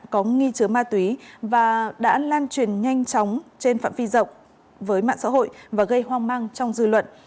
có nghi chứa ma túy và đã lan truyền nhanh chóng trên phạm vi rộng với mạng xã hội và gây hoang mang trong dư luận